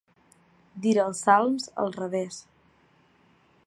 Dir els salms al revés.